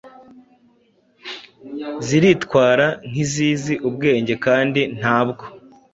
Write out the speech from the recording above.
ziritwara nk’izizi ubwenge kandi ntabwo